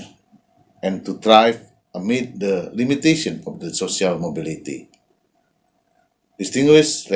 dan berkembang di hadapan kekurangan mobil sosial